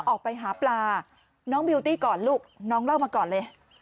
ออกไปหาปลาน้องบิวตี้ก่อนลูกน้องเล่ามาก่อนเลย